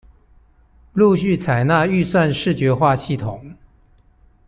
陸續採納預算視覺化系統